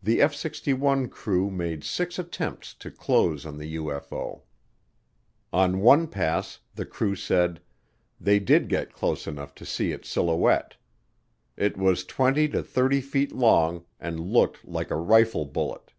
The F 61 crew made six attempts to close on the UFO. On one pass, the crew said, they did get close enough to see its silhouette. It was 20 to 30 feet long and looked "like a rifle bullet."